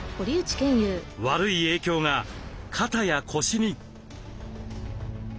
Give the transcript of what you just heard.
悪い影響が肩や腰に。